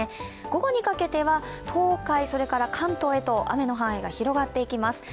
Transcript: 午後にかけては、東海、関東へと雨の範囲が広がっていきます。